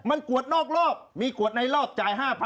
มันกวดนอกรอบมีกวดในรอบจ่าย๕๐๐